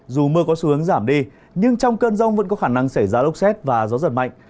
dù mưa có xu hướng giảm đi nhưng trong cơn rông vẫn có khả năng xảy ra lốc xét và gió giật mạnh